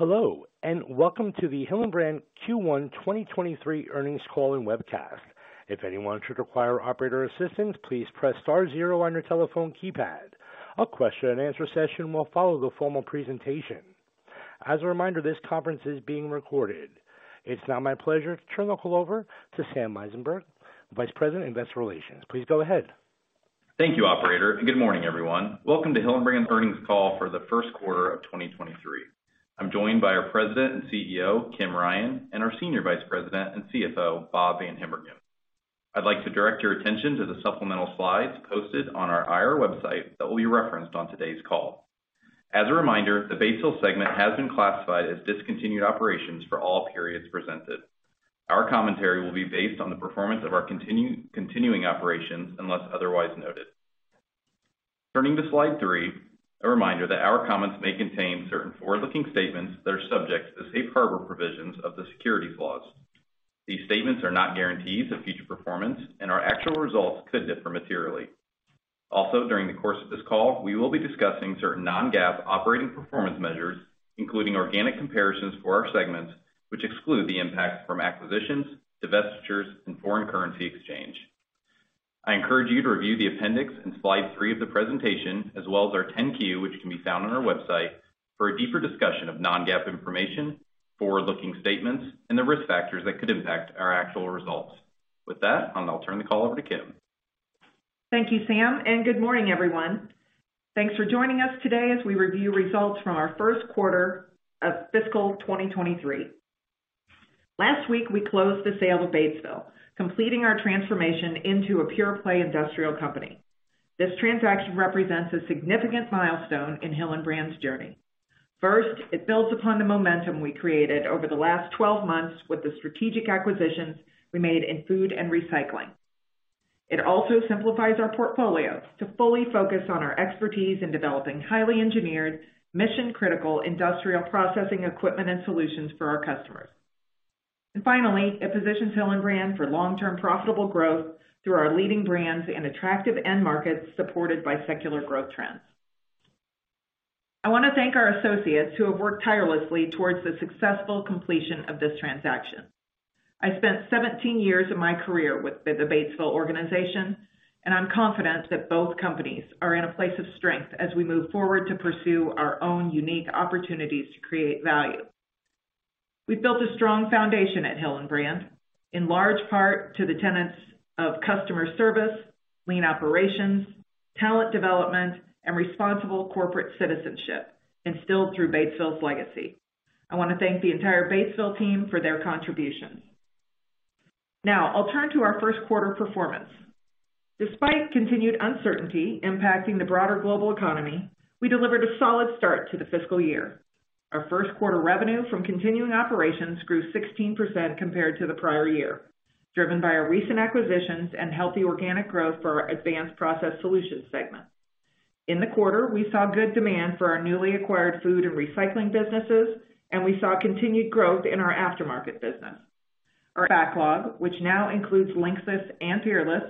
Hello, and welcome to the Hillenbrand Q1 2023 earnings call and webcast. If anyone should require operator assistance, please press star zero on your telephone keypad. A question-and-answer session will follow the formal presentation. As a reminder, this conference is being recorded. It's now my pleasure to turn the call over to Sam Mynsberge, Vice President, Investor Relations. Please go ahead. Thank you operator. Good morning everyone. Welcome to Hillenbrand earnings call for the first quarter of 2023. I'm joined by our President and CEO, Kim Ryan, and our Senior Vice President and CFO, Bob VanHimbergen. I'd like to direct your attention to the supplemental slides posted on our IR website that will be referenced on today's call. As a reminder, the Batesville segment has been classified as discontinued operations for all periods presented. Our commentary will be based on the performance of our continuing operations, unless otherwise noted. Turning to slide 3, a reminder that our comments may contain certain forward-looking statements that are subject to the safe harbor provisions of the securities laws. These statements are not guarantees of future performance and our actual results could differ materially. During the course of this call, we will be discussing certain non-GAAP operating performance measures, including organic comparisons for our segments, which exclude the impact from acquisitions, divestitures, and foreign currency exchange. I encourage you to review the appendix in slide 3 of the presentation as well as our 10-Q, which can be found on our website for a deeper discussion of non-GAAP information, forward-looking statements and the risk factors that could impact our actual results. With that, I'll now turn the call over to Kim. Thank you, Sam. Good morning everyone. Thanks for joining us today as we review results from our first quarter of fiscal 2023. Last week we closed the sale of Batesville, completing our transformation into a pure play industrial company. This transaction represents a significant milestone in Hillenbrand's journey. First, it builds upon the momentum we created over the last 12 months with the strategic acquisitions we made in food and recycling. It also simplifies our portfolio to fully focus on our expertise in developing highly engineered, mission-critical industrial processing equipment and solutions for our customers. Finally, it positions Hillenbrand for long-term profitable growth through our leading brands and attractive end markets supported by secular growth trends. I want to thank our associates who have worked tirelessly towards the successful completion of this transaction. I spent 17 years of my career with the Batesville organization, I'm confident that both companies are in a place of strength as we move forward to pursue our own unique opportunities to create value. We've built a strong foundation at Hillenbrand, in large part to the tenants of customer service, lean operations, talent development, and responsible corporate citizenship instilled through Batesville's legacy. I want to thank the entire Batesville team for their contributions. Now, I'll turn to our first quarter performance. Despite continued uncertainty impacting the broader global economy, we delivered a solid start to the fiscal year. Our first quarter revenue from continuing operations grew 16% compared to the prior year, driven by our recent acquisitions and healthy organic growth for our Advanced Process Solutions segment. In the quarter, we saw good demand for our newly acquired food and recycling businesses, and we saw continued growth in our aftermarket business. Our backlog, which now includes LINXIS and Peerless,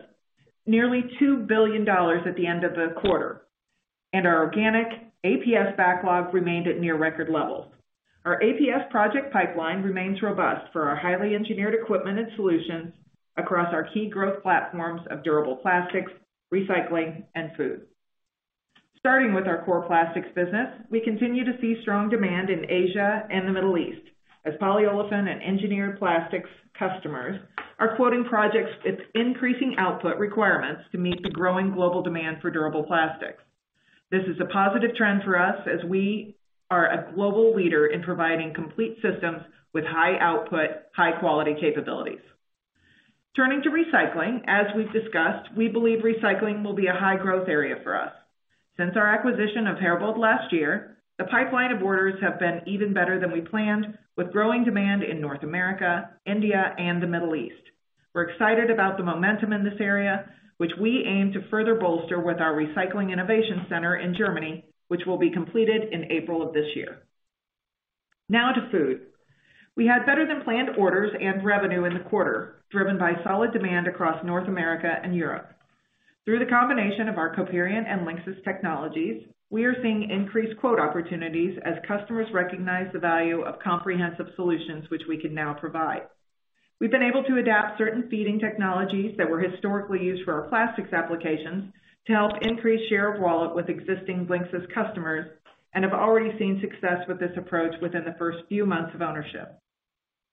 nearly $2 billion at the end of the quarter, and our organic APS backlog remained at near record levels. Our APS project pipeline remains robust for our highly engineered equipment and solutions across our key growth platforms of durable plastics, recycling, and food. Starting with our core plastics business, we continue to see strong demand in Asia and the Middle East as polyolefin and engineered plastics customers are quoting projects its increasing output requirements to meet the growing global demand for durable plastics. This is a positive trend for us as we are a global leader in providing complete systems with high output, high quality capabilities. Turning to recycling, as we've discussed, we believe recycling will be a high growth area for us. Since our acquisition of Herbold last year, the pipeline of orders have been even better than we planned with growing demand in North America, India, and the Middle East. We're excited about the momentum in this area, which we aim to further bolster with our recycling innovation center in Germany, which will be completed in April of this year. To food. We had better than planned orders and revenue in the quarter, driven by solid demand across North America and Europe. Through the combination of our Coperion and LINXIS technologies, we are seeing increased quote opportunities as customers recognize the value of comprehensive solutions which we can now provide. We've been able to adapt certain feeding technologies that were historically used for our plastics applications to help increase share of wallet with existing LINXIS customers, and have already seen success with this approach within the first few months of ownership.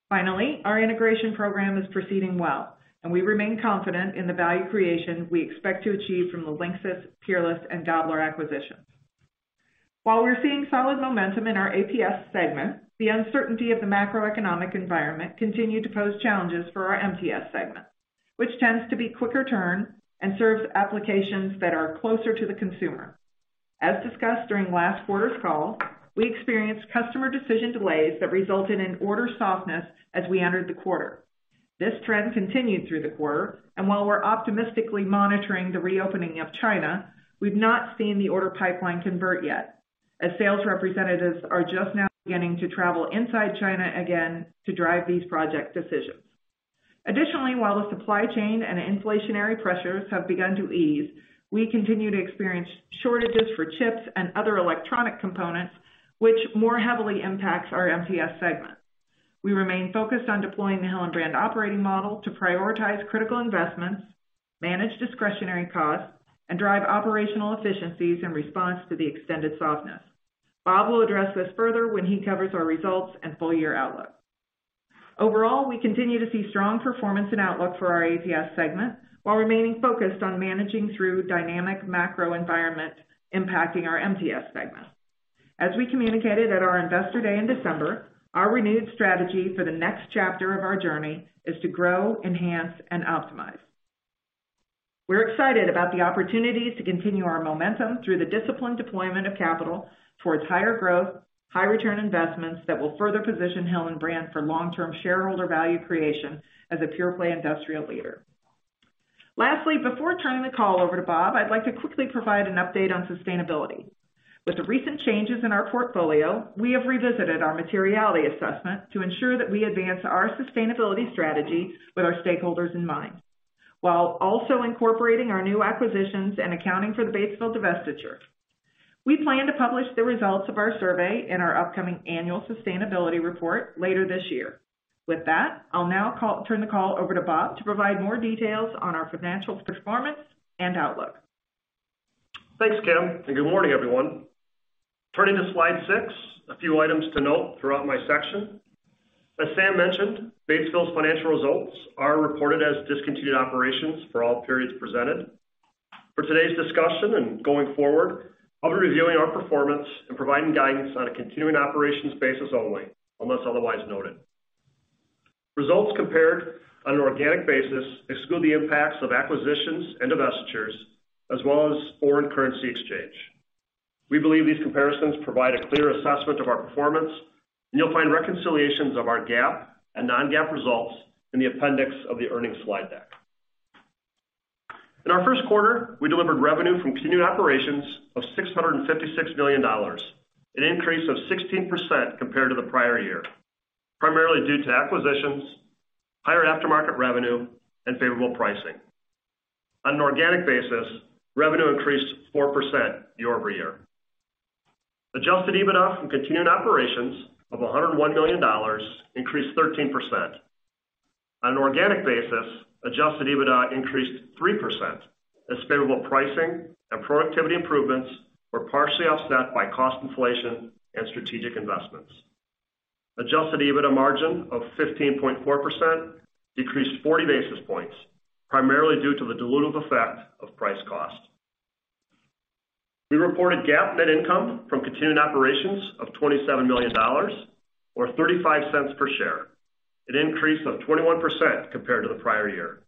Finally, our integration program is proceeding well, and we remain confident in the value creation we expect to achieve from the LINXIS, Peerless, and Gabler acquisitions. While we're seeing solid momentum in our APS segment, the uncertainty of the macroeconomic environment continued to pose challenges for our MTS segment, which tends to be quicker turn and serves applications that are closer to the consumer. As discussed during last quarter's call, we experienced customer decision delays that resulted in order softness as we entered the quarter. This trend continued through the quarter, while we're optimistically monitoring the reopening of China, we've not seen the order pipeline convert yet as sales representatives are just now beginning to travel inside China again to drive these project decisions. Additionally, while the supply chain and inflationary pressures have begun to ease, we continue to experience shortages for chips and other electronic components, which more heavily impacts our MTS segment. We remain focused on deploying the Hillenbrand Operating Model to prioritize critical investments, manage discretionary costs, and drive operational efficiencies in response to the extended softness. Bob will address this further when he covers our results and full year outlook. Overall, we continue to see strong performance and outlook for our APS segment while remaining focused on managing through dynamic macro environment impacting our MTS segment. As we communicated at our Investor Day in December, our renewed strategy for the next chapter of our journey is to grow, enhance, and optimize. We're excited about the opportunities to continue our momentum through the disciplined deployment of capital towards higher growth, high return investments that will further position Hillenbrand for long-term shareholder value creation as a pure-play industrial leader. Lastly, before turning the call over to Bob, I'd like to quickly provide an update on sustainability. With the recent changes in our portfolio, we have revisited our materiality assessment to ensure that we advance our sustainability strategy with our stakeholders in mind, while also incorporating our new acquisitions and accounting for the Batesville divestiture. We plan to publish the results of our survey in our upcoming annual sustainability report later this year. With that, I'll now turn the call over to Bob to provide more details on our financial performance and outlook. Thanks, Kim, and good morning, everyone. Turning to slide 6, a few items to note throughout my section. As Sam mentioned, Batesville's financial results are reported as discontinued operations for all periods presented. For today's discussion and going forward, I'll be reviewing our performance and providing guidance on a continuing operations basis only, unless otherwise noted. Results compared on an organic basis exclude the impacts of acquisitions and divestitures, as well as foreign currency exchange. We believe these comparisons provide a clear assessment of our performance, and you'll find reconciliations of our GAAP and non-GAAP results in the appendix of the earnings slide deck. In our first quarter, we delivered revenue from continued operations of $656 million, an increase of 16% compared to the prior year, primarily due to acquisitions, higher aftermarket revenue, and favorable pricing. On an organic basis, revenue increased 4% year-over-year. adjusted EBITDA from continued operations of $101 million increased 13%. On an organic basis, adjusted EBITDA increased 3% as favorable pricing and productivity improvements were partially offset by cost inflation and strategic investments. adjusted EBITDA margin of 15.4% decreased 40 basis points, primarily due to the dilutive effect of price cost. We reported GAAP net income from continued operations of $27 million or $0.35 per share, an increase of 21% compared to the prior year.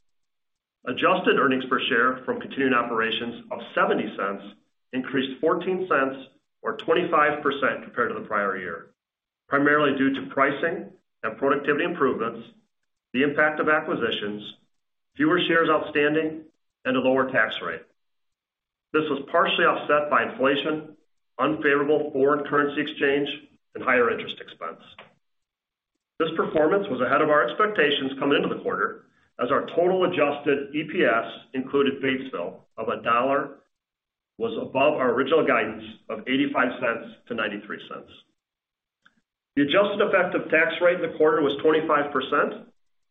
adjusted earnings per share from continued operations of $0.70 increased $0.14 or 25% compared to the prior year, primarily due to pricing and productivity improvements, the impact of acquisitions, fewer shares outstanding, and a lower tax rate. This was partially offset by inflation, unfavorable foreign currency exchange, and higher interest expense. This performance was ahead of our expectations coming into the quarter as our total adjusted EPS included Batesville of $1 was above our original guidance of $0.85-$0.93. The adjusted effective tax rate in the quarter was 25%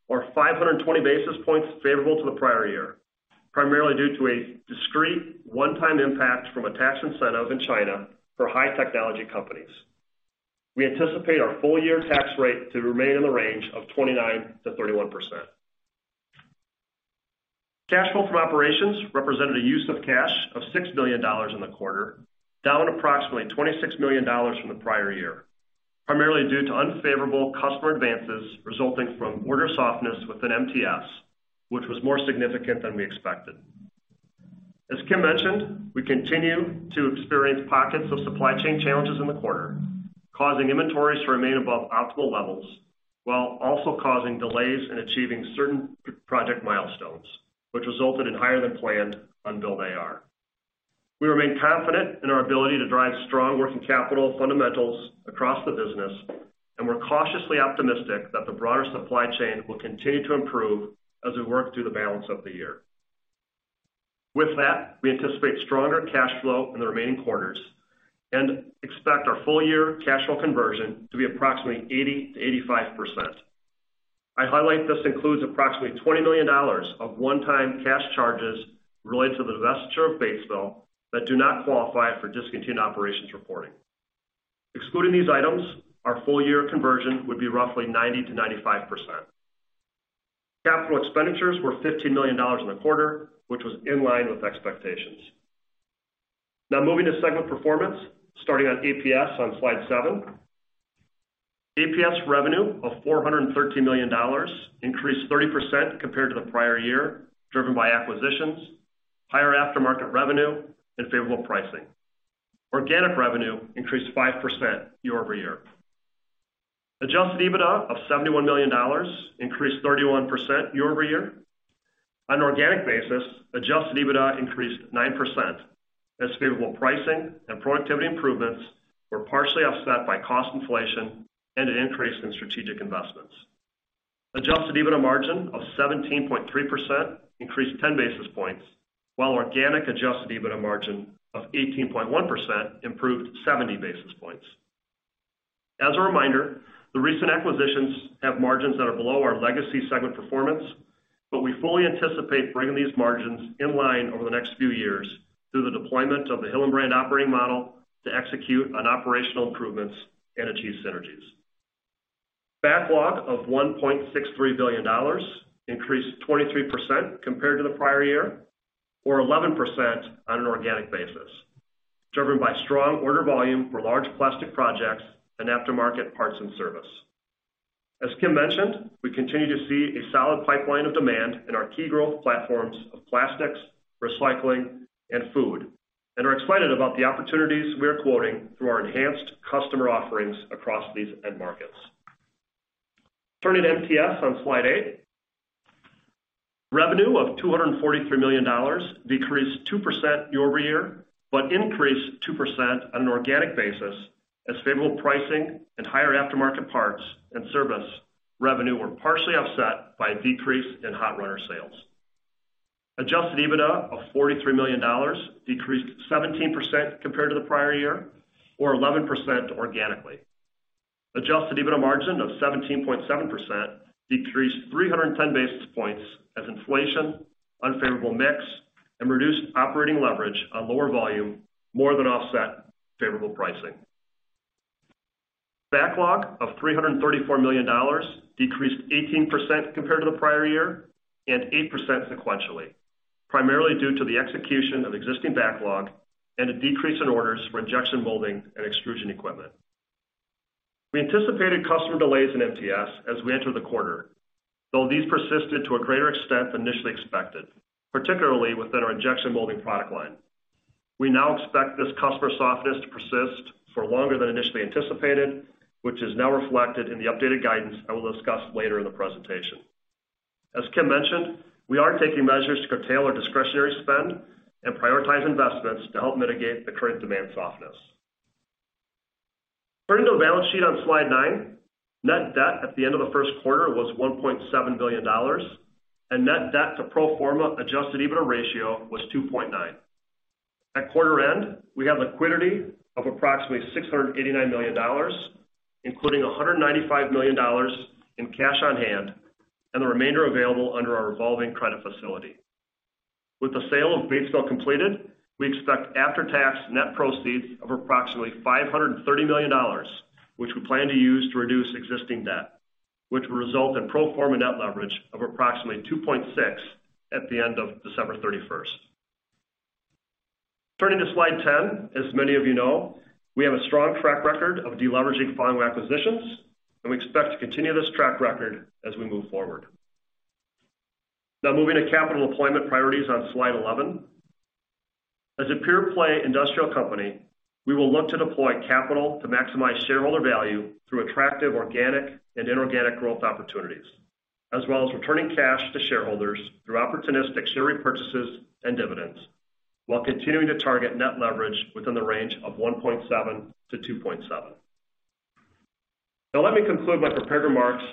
or 520 basis points favorable to the prior year, primarily due to a discrete one-time impact from a tax incentive in China for high technology companies. We anticipate our full year tax rate to remain in the range of 29%-31%. Cash flow from operations represented a use of cash of $6 million in the quarter, down approximately $26 million from the prior year, primarily due to unfavorable customer advances resulting from order softness within MTS, which was more significant than we expected. As Kim mentioned, we continue to experience pockets of supply chain challenges in the quarter, causing inventories to remain above optimal levels while also causing delays in achieving certain project milestones, which resulted in higher than planned unbilled AR. We remain confident in our ability to drive strong working capital fundamentals across the business, and we're cautiously optimistic that the broader supply chain will continue to improve as we work through the balance of the year. With that, we anticipate stronger cash flow in the remaining quarters and expect our full year cash flow conversion to be approximately 80%-85%. I highlight this includes approximately $20 million of one-time cash charges related to the divestiture of Batesville that do not qualify for discontinued operations reporting. Excluding these items, our full year conversion would be roughly 90%-95%. CapEx were $15 million in the quarter, which was in line with expectations. Moving to segment performance starting on APS on slide 7. APS revenue of $413 million increased 30% compared to the prior year, driven by acquisitions, higher aftermarket revenue, and favorable pricing. Organic revenue increased 5% year-over-year. Adjusted EBITDA of $71 million increased 31% year-over-year. On an organic basis, adjusted EBITDA increased 9% as favorable pricing and productivity improvements were partially offset by cost inflation and an increase in strategic investments. Adjusted EBITDA margin of 17.3% increased 10 basis points, while organic adjusted EBITDA margin of 18.1% improved 70 basis points. As a reminder, the recent acquisitions have margins that are below our legacy segment performance, but we fully anticipate bringing these margins in line over the next few years through the deployment of the Hillenbrand Operating Model to execute on operational improvements and achieve synergies. Backlog of $1.63 billion increased 23% compared to the prior year or 11% on an organic basis, driven by strong order volume for large plastic projects and aftermarket parts and service. As Kim mentioned, we continue to see a solid pipeline of demand in our key growth platforms of plastics, recycling, and food, and are excited about the opportunities we are quoting through our enhanced customer offerings across these end markets. Turning to MTS on slide 8. Revenue of $243 million decreased 2% year-over-year. Increased 2% on an organic basis as favorable pricing and higher aftermarket parts and service revenue were partially offset by a decrease in hot runner sales. Adjusted EBITDA of $43 million decreased 17% compared to the prior year or 11% organically. Adjusted EBITDA margin of 17.7% decreased 310 basis points as inflation, unfavorable mix, and reduced operating leverage on lower volume more than offset favorable pricing. Backlog of $334 million decreased 18% compared to the prior year and 8% sequentially, primarily due to the execution of existing backlog and a decrease in orders for injection molding and extrusion equipment. We anticipated customer delays in MTS as we entered the quarter, though these persisted to a greater extent than initially expected, particularly within our injection molding product line. We now expect this customer softness to persist for longer than initially anticipated, which is now reflected in the updated guidance I will discuss later in the presentation. As Kim mentioned, we are taking measures to curtail our discretionary spend and prioritize investments to help mitigate the current demand softness. Turning to the balance sheet on slide 9. Net debt at the end of the first quarter was $1.7 billion, and net debt to pro forma adjusted EBITDA ratio was 2.9. At quarter end, we have liquidity of approximately $689 million, including $195 million in cash on hand and the remainder available under our revolving credit facility. With the sale of Batesville completed, we expect after-tax net proceeds of approximately $530 million, which we plan to use to reduce existing debt, which will result in pro forma net leverage of approximately 2.6 at the end of December 31st. Turning to slide 10. As many of you know, we have a strong track record of deleveraging following acquisitions, and we expect to continue this track record as we move forward. Now moving to capital deployment priorities on slide 11. As a pure play industrial company, we will look to deploy capital to maximize shareholder value through attractive organic and inorganic growth opportunities, as well as returning cash to shareholders through opportunistic share repurchases and dividends while continuing to target net leverage within the range of 1.7-2.7. Let me conclude my prepared remarks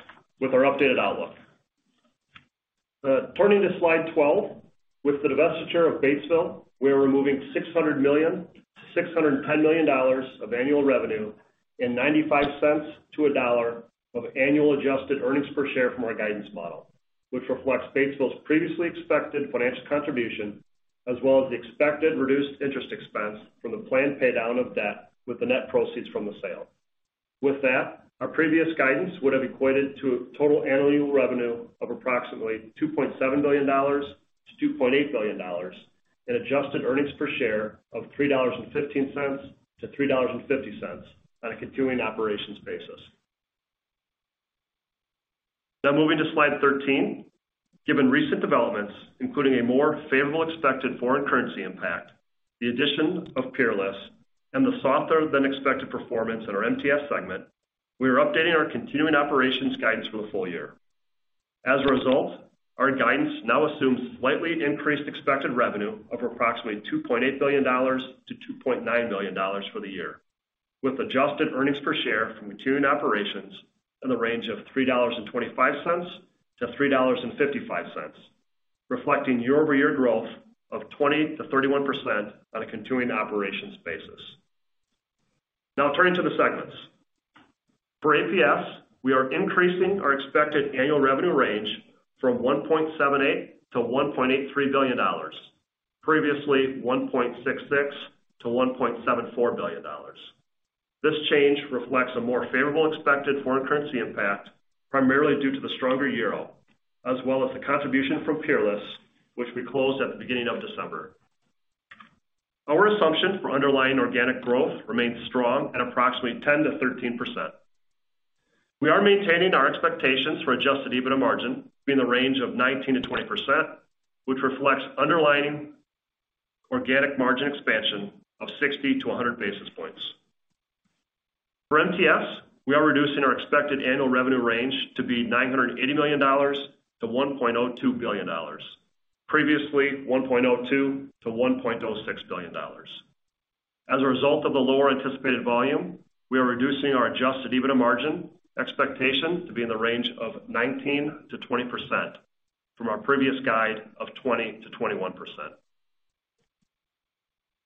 with our updated outlook. Turning to slide 12. With the divestiture of Batesville, we are removing $600 million-$610 million of annual revenue and $0.95-$1.00 of annual adjusted earnings per share from our guidance model, which reflects Batesville's previously expected financial contribution as well as the expected reduced interest expense from the planned pay-down of debt with the net proceeds from the sale. With that, our previous guidance would have equated to total annual revenue of approximately $2.7 billion-$2.8 billion and adjusted earnings per share of $3.15-$3.50 on a continuing operations basis. Moving to slide 13. Given recent developments, including a more favorable expected foreign currency impact, the addition of Peerless, and the softer than expected performance in our MTS segment, we are updating our continuing operations guidance for the full year. As a result, our guidance now assumes slightly increased expected revenue of approximately $2.8 billion-$2.9 billion for the year, with adjusted earnings per share from continuing operations in the range of $3.25-$3.55, reflecting year-over-year growth of 20%-31% on a continuing operations basis. Turning to the segments. For APS, we are increasing our expected annual revenue range from $1.78 billion-$1.83 billion, previously $1.66 billion-$1.74 billion. This change reflects a more favorable expected foreign currency impact, primarily due to the stronger euro, as well as the contribution from Peerless, which we closed at the beginning of December. Our assumption for underlying organic growth remains strong at approximately 10%-13%. We are maintaining our expectations for adjusted EBITDA margin to be in the range of 19%-20%, which reflects underlying organic margin expansion of 60 to 100 basis points. For MTS, we are reducing our expected annual revenue range to be $980 million-$1.02 billion. Previously, $1.02 billion-$1.06 billion. As a result of the lower anticipated volume, we are reducing our adjusted EBITDA margin expectation to be in the range of 19%-20% from our previous guide of 20%-21%.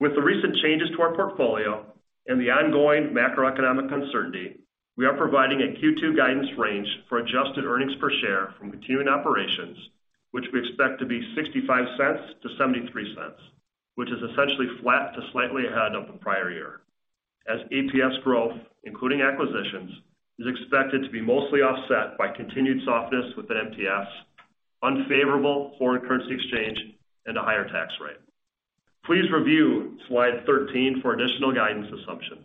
With the recent changes to our portfolio and the ongoing macroeconomic uncertainty, we are providing a Q2 guidance range for adjusted earnings per share from continuing operations, which we expect to be $0.65-$0.73, which is essentially flat to slightly ahead of the prior year, as APS growth, including acquisitions, is expected to be mostly offset by continued softness within MTS, unfavorable foreign currency exchange, and a higher tax rate. Please review slide 13 for additional guidance assumptions.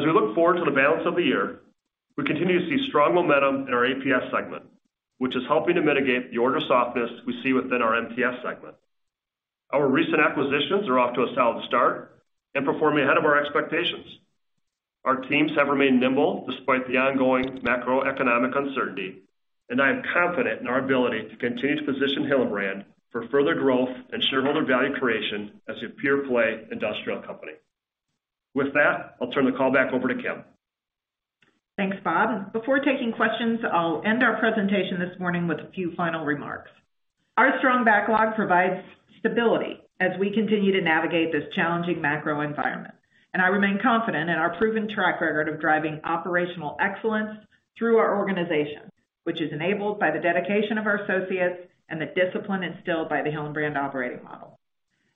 We look forward to the balance of the year, we continue to see strong momentum in our APS segment, which is helping to mitigate the order softness we see within our MTS segment. Our recent acquisitions are off to a solid start and performing ahead of our expectations. Our teams have remained nimble despite the ongoing macroeconomic uncertainty. I am confident in our ability to continue to position Hillenbrand for further growth and shareholder value creation as a pure-play industrial company. With that, I'll turn the call back over to Kim. Thanks, Bob. Before taking questions, I'll end our presentation this morning with a few final remarks. Our strong backlog provides stability as we continue to navigate this challenging macro environment, and I remain confident in our proven track record of driving operational excellence through our organization, which is enabled by the dedication of our associates and the discipline instilled by the Hillenbrand Operating Model.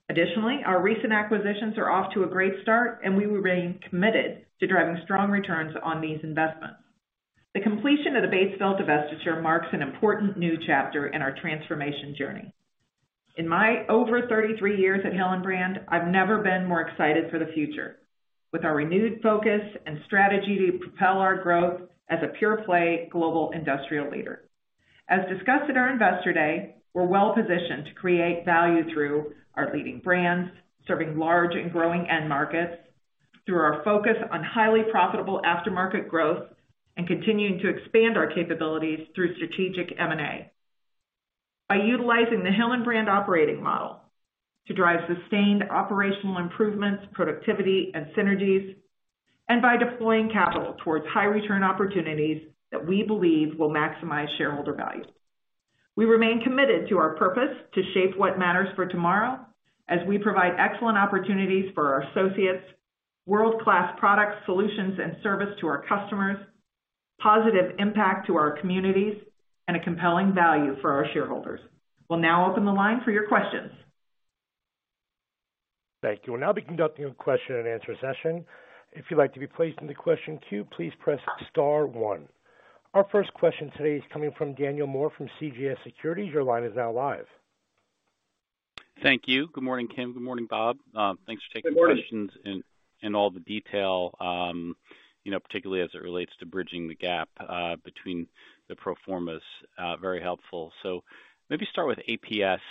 Additionally, our recent acquisitions are off to a great start, and we remain committed to driving strong returns on these investments. The completion of the Batesville divestiture marks an important new chapter in our transformation journey. In my over 33 years at Hillenbrand, I've never been more excited for the future. With our renewed focus and strategy to propel our growth as a pure-play global industrial leader. As discussed at our Investor Day, we're well-positioned to create value through our leading brands, serving large and growing end markets through our focus on highly profitable aftermarket growth and continuing to expand our capabilities through strategic M&A. By utilizing the Hillenbrand Operating Model to drive sustained operational improvements, productivity, and synergies, and by deploying capital towards high return opportunities that we believe will maximize shareholder value. We remain committed to our purpose to shape what matters for tomorrow as we provide excellent opportunities for our associates, world-class products, solutions, and service to our customers, positive impact to our communities, and a compelling value for our shareholders. We'll now open the line for your questions. Thank you. We'll now be conducting a question and answer session. If you'd like to be placed in the question queue, please press star one. Our first question today is coming from Daniel Moore from CJS Securities. Your line is now live. Thank you. Good morning, Kim. Good morning, Bob. Thanks for. Good morning. -the questions and all the detail, you know, particularly as it relates to bridging the gap between the pro formas. Very helpful. Maybe start with APS.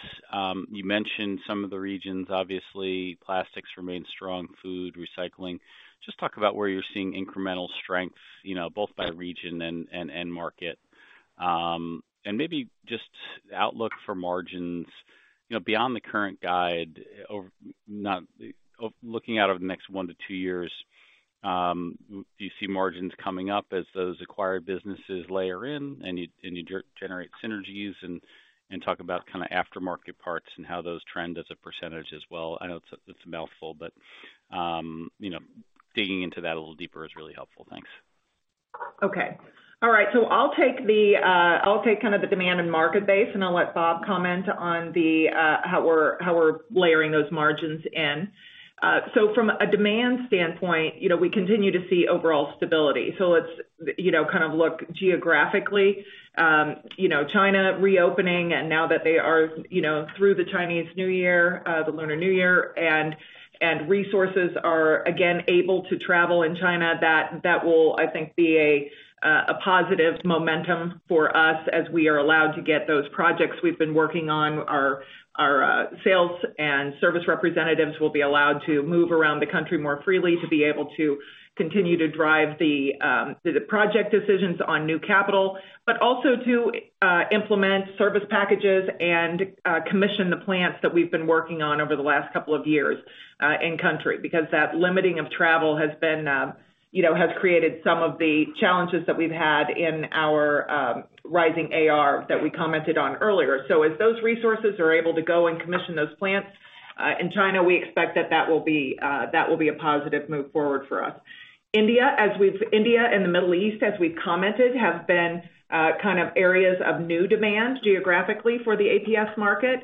You mentioned some of the regions, obviously, plastics remain strong, food, recycling. Just talk about where you're seeing incremental strength, you know, both by region and end market. Maybe just the outlook for margins, you know, beyond the current guide looking out over the next 1 to 2 years, do you see margins coming up as those acquired businesses layer in and you, and you generate synergies and talk about kinda aftermarket parts and how those trend as a percentage as well? I know it's a mouthful, but, you know, digging into that a little deeper is really helpful. Thanks. Okay. All right. I'll take the, I'll take kind of the demand and market base, and I'll let Bob comment on the, how we're layering those margins in. From a demand standpoint, you know, we continue to see overall stability. Let's, you know, kind of look geographically. You know, China reopening and now that they are, you know, through the Chinese New Year, the Lunar New Year, and resources are again able to travel in China, that will, I think, be a positive momentum for us as we are allowed to get those projects we've been working on. Our sales and service representatives will be allowed to move around the country more freely to be able to continue to drive the project decisions on new capital, but also to implement service packages and commission the plants that we've been working on over the last couple of years in country. Because that limiting of travel has been, you know, has created some of the challenges that we've had in our rising AR that we commented on earlier. As those resources are able to go and commission those plants in China, we expect that that will be a positive move forward for us. India and the Middle East, as we've commented, have been kind of areas of new demand geographically for the APS market.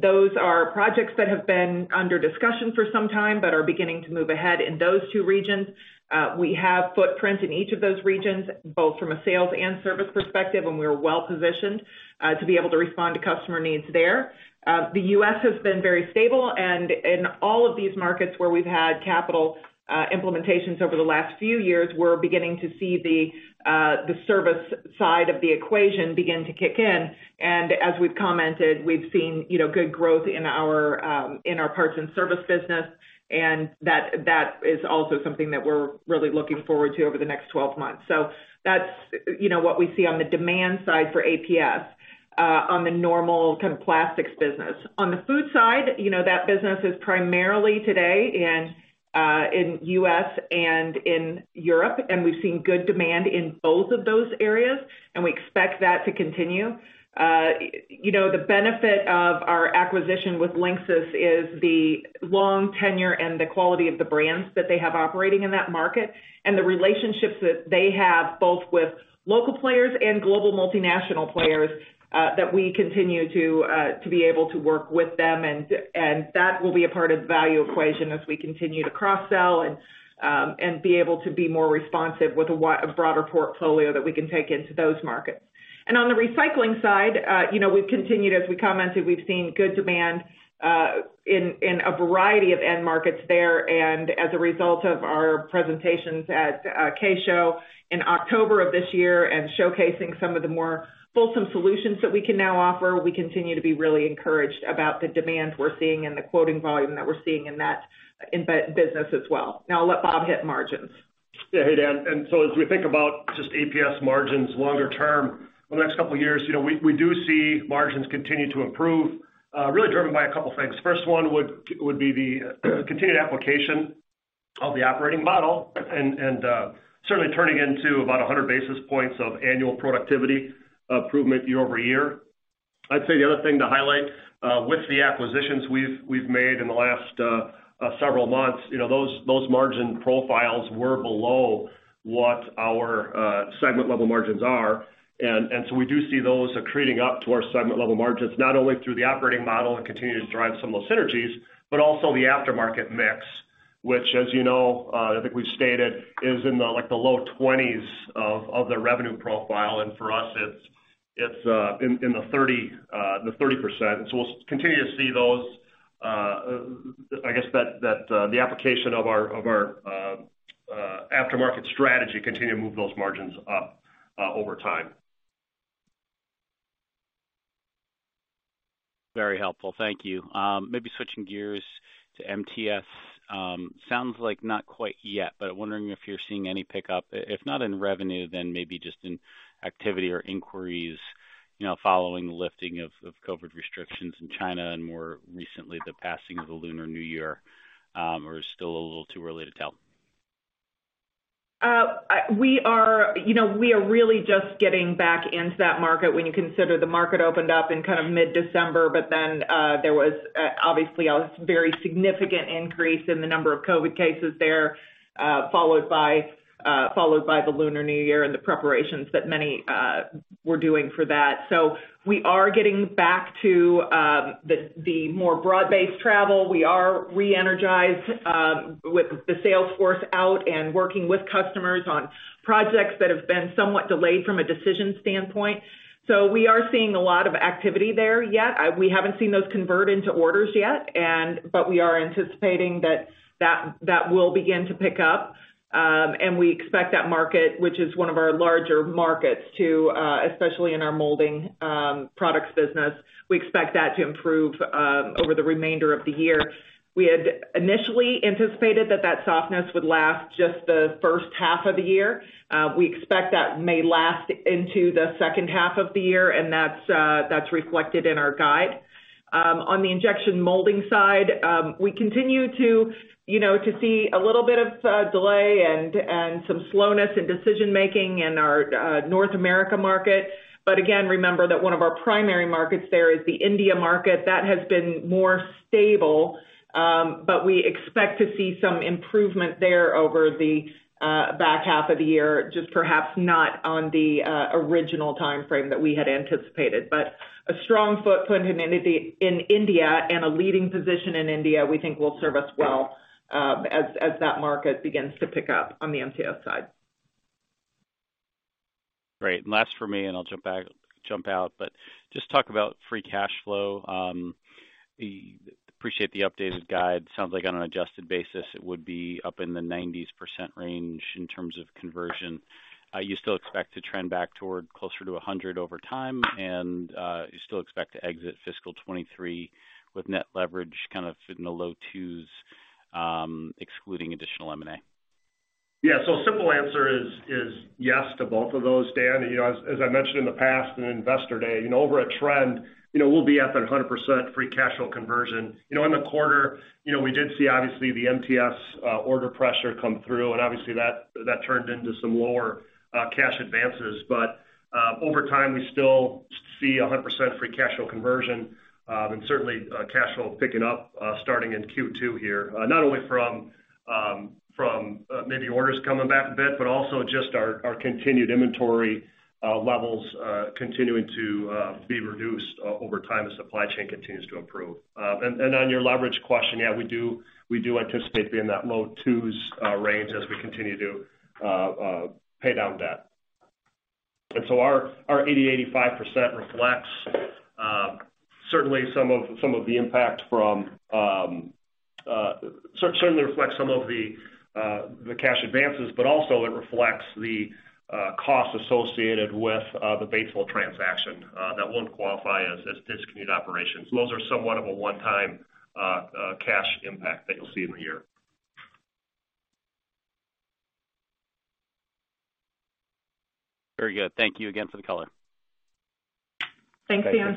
Those are projects that have been under discussion for some time but are beginning to move ahead in those two regions. We have footprints in each of those regions, both from a sales and service perspective, and we're well-positioned to be able to respond to customer needs there. The U.S. has been very stable, and in all of these markets where we've had capital implementations over the last few years, we're beginning to see the service side of the equation begin to kick in. As we've commented, we've seen, you know, good growth in our parts and service business, and that is also something that we're really looking forward to over the next 12 months. That's, you know, what we see on the demand side for APS on the normal kind of plastics business. On the food side, you know, that business is primarily today in U.S. and in Europe, and we've seen good demand in both of those areas, and we expect that to continue. You know, the benefit of our acquisition with LINXIS is the long tenure and the quality of the brands that they have operating in that market, and the relationships that they have, both with local players and global multinational players, that we continue to be able to work with them. That will be a part of the value equation as we continue to cross-sell and be able to be more responsive with a broader portfolio that we can take into those markets. On the recycling side, you know, we've continued, as we commented, we've seen good demand, in a variety of end markets there. As a result of our presentations at K Show in October of this year and showcasing some of the more fulsome solutions that we can now offer, we continue to be really encouraged about the demand we're seeing and the quoting volume that we're seeing in that business as well. I'll let Bob hit margins. Hey, Dan. As we think about just APS margins longer term over the next couple of years, you know, we do see margins continue to improve, really driven by a couple of things. First one would be the continued application of the operating model and certainly turning into about 100 basis points of annual productivity improvement year-over-year. I'd say the other thing to highlight, with the acquisitions we've made in the last several months, you know, those margin profiles were below what our segment level margins are. We do see those accreting up to our segment level margins, not only through the operating model and continuing to drive some of those synergies, but also the aftermarket mix, which as you know, I think we've stated, is in the like the low 20s of the revenue profile. For us, it's in the 30%. We'll continue to see those, I guess that the application of our aftermarket strategy continue to move those margins up over time. Very helpful. Thank you. Maybe switching gears to MTS. Sounds like not quite yet, but I'm wondering if you're seeing any pickup, if not in revenue, then maybe just in activity or inquiries, you know, following the lifting of COVID restrictions in China and more recently, the passing of the Lunar New Year, or still a little too early to tell? We are, you know, we are really just getting back into that market when you consider the market opened up in kind of mid-December, but then there was obviously a very significant increase in the number of COVID cases there, followed by the Lunar New Year and the preparations that many were doing for that. We are getting back to the more broad-based travel. We are re-energized with the sales force out and working with customers on projects that have been somewhat delayed from a decision standpoint. We are seeing a lot of activity there. We haven't seen those convert into orders yet. We are anticipating that will begin to pick up. We expect that market, which is one of our larger markets to, especially in our Molding products business, we expect that to improve over the remainder of the year. We had initially anticipated that that softness would last just the first half of the year. We expect that may last into the second half of the year, and that's reflected in our guide. On the injection molding side, we continue to, you know, to see a little bit of delay and some slowness in decision-making in our North America market. Again, remember that one of our primary markets there is the India market. That has been more stable, but we expect to see some improvement there over the back half of the year, just perhaps not on the original timeframe that we had anticipated. A strong footprint in India and a leading position in India, we think will serve us well, as that market begins to pick up on the MTS side. Great. Last for me, and I'll jump out. Just talk about free cash flow. Appreciate the updated guide. Sounds like on an adjusted basis, it would be up in the 90% range in terms of conversion. You still expect to trend back toward closer to 100 over time, and you still expect to exit fiscal 2023 with net leverage kind of in the low 2s, excluding additional M&A. Simple answer is yes to both of those, Dan. You know, as I mentioned in the past in Investor Day, you know, over a trend, you know, we'll be at that 100% free cash flow conversion. You know, in the quarter, you know, we did see obviously the MTS order pressure come through, and obviously that turned into some lower cash advances. Over time, we still see a 100% free cash flow conversion, and certainly cash flow picking up starting in Q2 here, not only from from maybe orders coming back a bit, but also just our continued inventory levels continuing to be reduced over time as supply chain continues to improve. On your leverage question, yeah, we do, we do anticipate being in that low twos range as we continue to pay down debt. Our 80-85% reflects certainly some of the impact from certainly reflects some of the cash advances, but also it reflects the cost associated with the Batesville transaction that wouldn't qualify as discontinued operations. Those are somewhat of a one-time cash impact that you'll see in the year. Very good. Thank you again for the color. Thank you.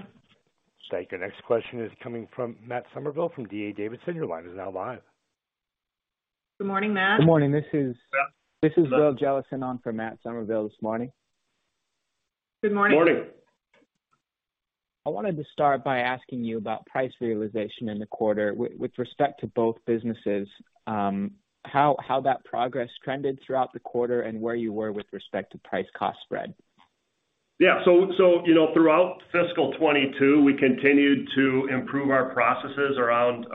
Thank you. Our next question is coming from Matt Summerville from D.A. Davidson. Your line is now live. Good morning, Matt. Good morning. Yeah. This is Will Jellison on for Matt Summerville this morning. Good morning. Morning. I wanted to start by asking you about price realization in the quarter with respect to both businesses, how that progress trended throughout the quarter and where you were with respect to price cost spread? Yeah. You know, throughout fiscal 2022, we continued to improve our processes around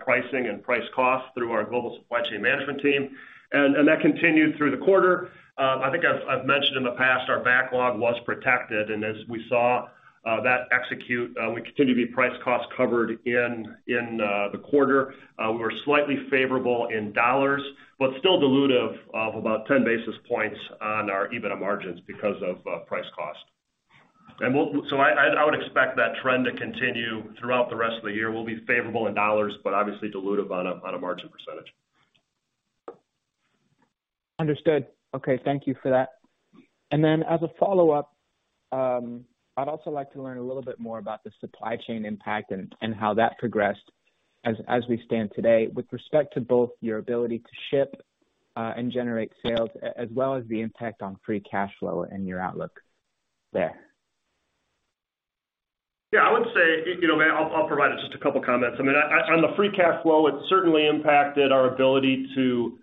pricing and price cost through our global supply chain management team. That continued through the quarter. I think I've mentioned in the past our backlog was protected. As we saw that execute, we continue to be price cost covered in the quarter. We were slightly favorable in dollars, but still dilutive of about 10 basis points on our EBITDA margins because of price cost. I would expect that trend to continue throughout the rest of the year. We'll be favorable in dollars, but obviously dilutive on a margin percentage. Understood. Okay. Thank you for that. Then as a follow-up, I'd also like to learn a little bit more about the supply chain impact and how that progressed as we stand today with respect to both your ability to ship and generate sales as well as the impact on free cash flow and your outlook there. Yeah, I would say, you know, I'll provide just a couple of comments. I mean, on the free cash flow, it certainly impacted our ability to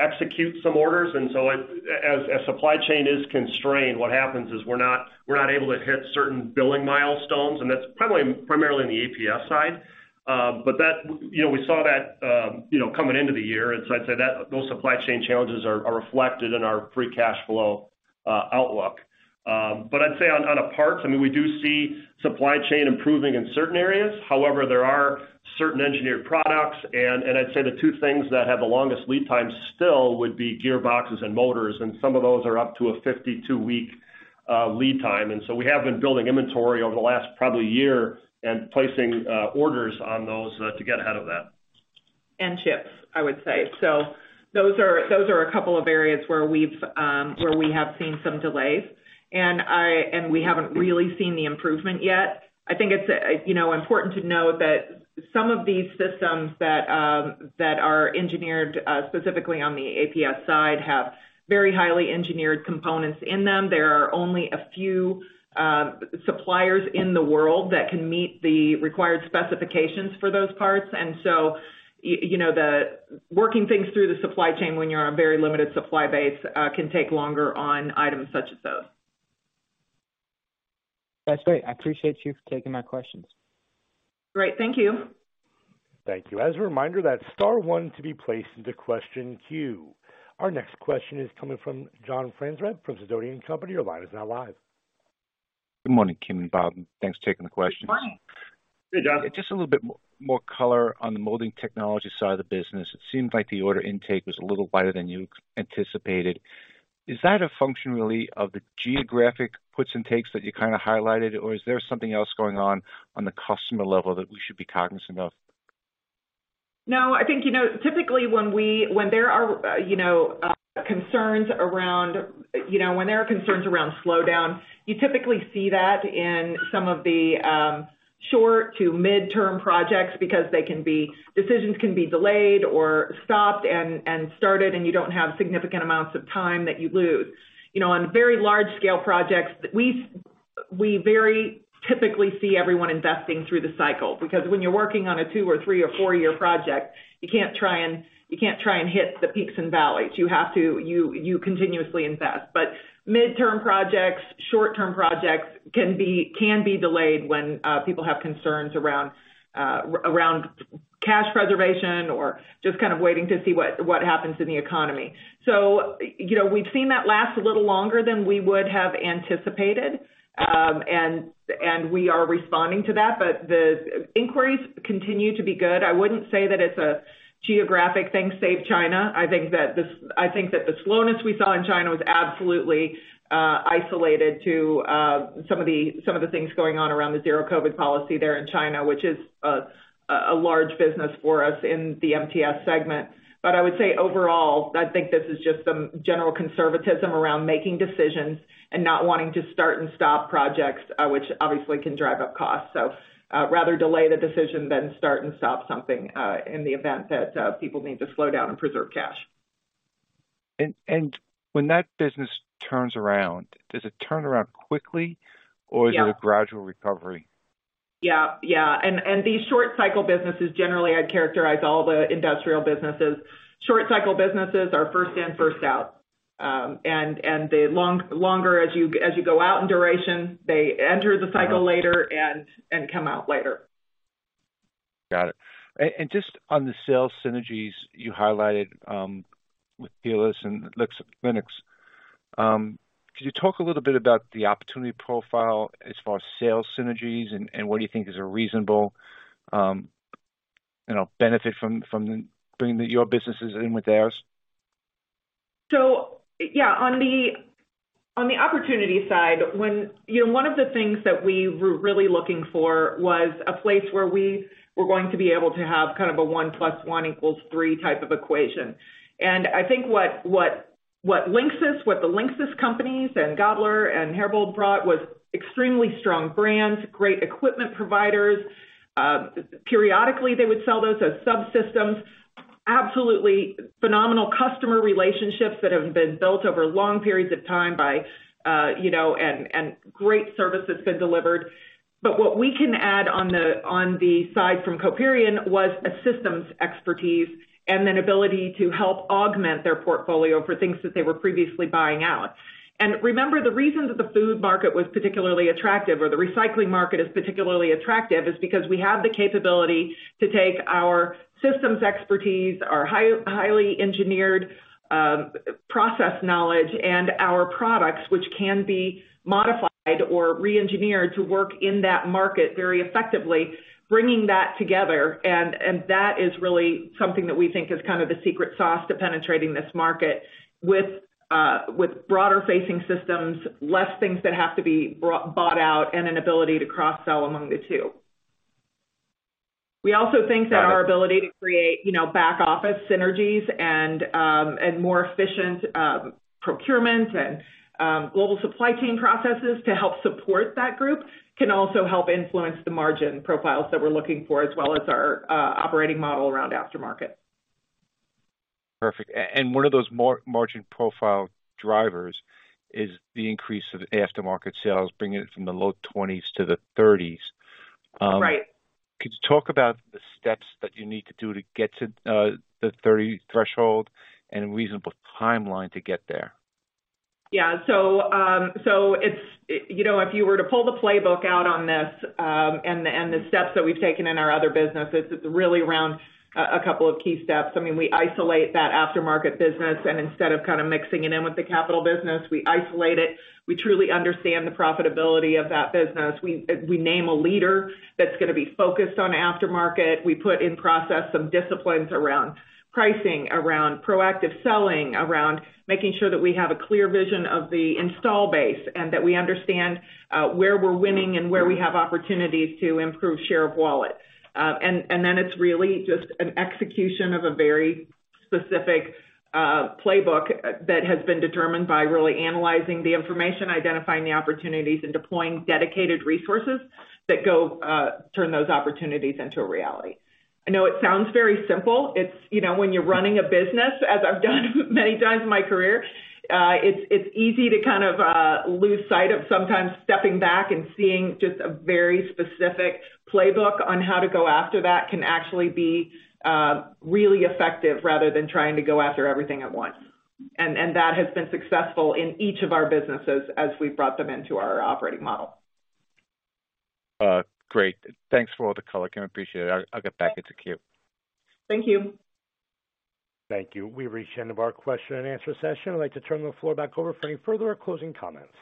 execute some orders. As supply chain is constrained, what happens is we're not able to hit certain billing milestones, and that's primarily in the APS side. You know, we saw that, you know, coming into the year. I'd say that those supply chain challenges are reflected in our free cash flow outlook. I'd say on a parts, I mean, we do see supply chain improving in certain areas. There are certain engineered products, and I'd say the two things that have the longest lead time still would be gearboxes and motors, and some of those are up to a 52-week lead time. We have been building inventory over the last probably year and placing orders on those to get ahead of that. Chips, I would say. Those are a couple of areas where we have seen some delays. We haven't really seen the improvement yet. I think it's, you know, important to note that some of these systems that are engineered specifically on the APS side, have very highly engineered components in them. There are only a few suppliers in the world that can meet the required specifications for those parts. You know, the working things through the supply chain when you're on a very limited supply base, can take longer on items such as those. That's great. I appreciate you taking my questions. Great. Thank you. Thank you. As a reminder, that's star one to be placed into question queue. Our next question is coming from John Franzreb from Sidoti & Company. Your line is now live. Good morning, Kim and Bob. Thanks for taking the questions. Good morning. Hey, John. Just a little bit more color on the molding technology side of the business. It seems like the order intake was a little wider than you anticipated. Is that a function really of the geographic puts and takes that you kinda highlighted, or is there something else going on on the customer level that we should be cognizant of? No, I think, you know, typically when there are, you know, concerns around slowdown, you typically see that in some of the short to mid-term projects because decisions can be delayed or stopped and started, and you don't have significant amounts of time that you lose. You know, on very large scale projects, we very typically see everyone investing through the cycle, because when you're working on a two or three or four-year project, you can't try and hit the peaks and valleys. You continuously invest. Mid-term projects, short-term projects can be delayed when people have concerns around cash preservation or just kind of waiting to see what happens in the economy. You know, we've seen that last a little longer than we would have anticipated. And we are responding to that. The inquiries continue to be good. I wouldn't say that it's a geographic thing, save China. I think that the slowness we saw in China was absolutely isolated to some of the things going on around the Zero-COVID policy there in China, which is a large business for us in the MTS segment. I would say overall, I think this is just some general conservatism around making decisions and not wanting to start and stop projects, which obviously can drive up costs. Rather delay the decision than start and stop something, in the event that people need to slow down and preserve cash. When that business turns around, does it turn around quickly? Yeah. Is it a gradual recovery? Yeah. Yeah. These short cycle businesses, generally, I'd characterize all the industrial businesses. Short cycle businesses are first in, first out. And the longer as you go out in duration, they enter the cycle later and come out later. Got it. Just on the sales synergies you highlighted, with Peerless and LINXIS, could you talk a little bit about the opportunity profile as far as sales synergies and what do you think is a reasonable, you know, benefit from bringing your businesses in with theirs? Yeah, on the opportunity side, when, you know, one of the things that we were really looking for was a place where we were going to be able to have kind of a 1 plus 1 equals 3 type of equation. I think what LINXIS, what the LINXIS companies and Gabler and Herbold brought was extremely strong brands, great equipment providers. Periodically, they would sell those as subsystems. Absolutely phenomenal customer relationships that have been built over long periods of time by, you know, and great service that's been delivered. What we can add on the side from Coperion was a systems expertise and an ability to help augment their portfolio for things that they were previously buying out. Remember, the reason that the food market was particularly attractive or the recycling market is particularly attractive is because we have the capability to take our systems expertise, our highly engineered process knowledge and our products, which can be modified or re-engineered to work in that market very effectively, bringing that together, and that is really something that we think is kind of the secret sauce to penetrating this market with broader facing systems, less things that have to be bought out, and an ability to cross-sell among the two. We also think that our ability to create, you know, back office synergies and more efficient procurement and global supply chain processes to help support that group can also help influence the margin profiles that we're looking for, as well as our operating model around aftermarket. Perfect. One of those margin profile drivers is the increase of aftermarket sales, bringing it from the low twenties to the thirties. Right. Could you talk about the steps that you need to do to get to the 30 threshold and reasonable timeline to get there? Yeah. You know, if you were to pull the playbook out on this, and the steps that we've taken in our other businesses is really around a couple of key steps. I mean, we isolate that aftermarket business, and instead of kind of mixing it in with the capital business, we isolate it. We truly understand the profitability of that business. We name a leader that's gonna be focused on aftermarket. We put in process some disciplines around pricing, around proactive selling, around making sure that we have a clear vision of the install base and that we understand where we're winning and where we have opportunities to improve share of wallet. It's really just an execution of a very specific playbook that has been determined by really analyzing the information, identifying the opportunities, and deploying dedicated resources that go turn those opportunities into a reality. I know it sounds very simple. It's, you know, when you're running a business, as I've done many times in my career, it's easy to kind of lose sight of sometimes stepping back and seeing just a very specific playbook on how to go after that can actually be really effective rather than trying to go after everything at once. That has been successful in each of our businesses as we've brought them into our operating model. Great. Thanks for all the color, Kim. Appreciate it. I'll get back into queue. Thank you. Thank you. We've reached the end of our question and answer session. I'd like to turn the floor back over for any further closing comments.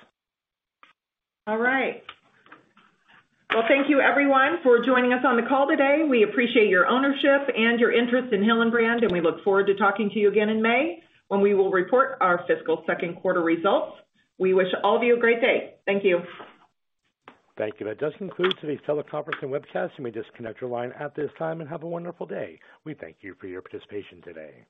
Well, thank you everyone for joining us on the call today. We appreciate your ownership and your interest in Hillenbrand, and we look forward to talking to you again in May when we will report our fiscal second quarter results. We wish all of you a great day. Thank you. Thank you. That does conclude today's teleconference and webcast. You may disconnect your line at this time and have a wonderful day. We thank you for your participation today.